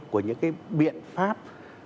của những cái biện pháp